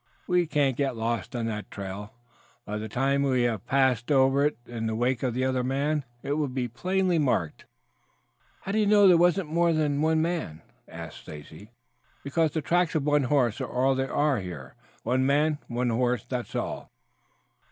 "We can't get lost on that trail. By the time we have passed over it in the wake of the other man it will be plainly marked." "How do you know there wasn't more than one?" asked Stacy. "Because the tracks of one horse are all there are here. One man and one horse, that's all."